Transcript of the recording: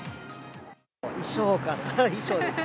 衣装かな、衣装ですね。